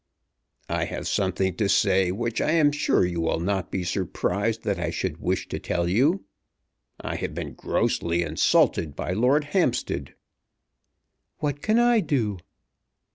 "I have something to say which I am sure you will not be surprised that I should wish to tell you. I have been grossly insulted by Lord Hampstead." "What can I do?"